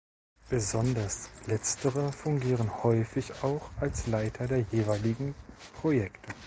Besonders letztere fungieren häufig auch als Leiter der jeweiligen Projekte.